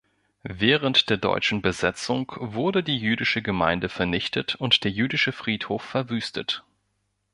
Während der deutschen Besetzung wurde die jüdische Gemeinde vernichtet und der jüdische Friedhof verwüstet.